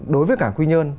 đối với cả huy nhân